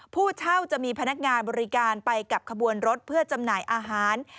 ผู้เช่าจะมีพนักงานบริการไปกับขบวนรถเพื่อจำหน่ายอาหาร